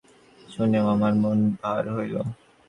কিন্তু মেয়ের বয়স যে পনেরো, তাই শুনিয়া মামার মন ভার হইল।